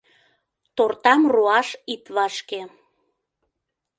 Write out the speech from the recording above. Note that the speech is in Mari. Тортам руаш ит вашке.